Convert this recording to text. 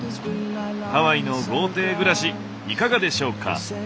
ハワイの豪邸暮らしいかがでしょうか。